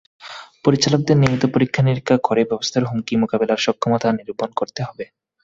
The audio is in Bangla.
পরিচালকদের নিয়মিত পরীক্ষা-নিরীক্ষা করে ব্যবস্থার হুমকি মোকাবিলার সক্ষমতা নিরূপণ করতে হবে।